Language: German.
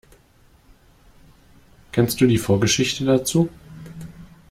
Kennst du die Vorgeschichte dazu?